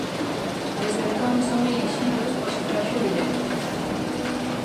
Desde entón son elixidos por sufraxio directo.